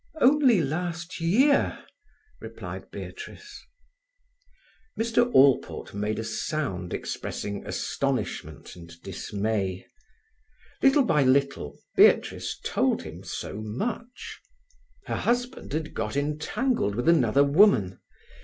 "Only last year," replied Beatrice. Mr. Allport made a sound expressing astonishment and dismay. Little by little Beatrice told him so much: "Her husband had got entangled with another woman.